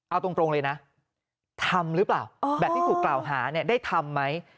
เอาตรงเลยนะทำหรือเปล่าแบบที่ถูกกล่าวหาเนี่ยได้ทำไหม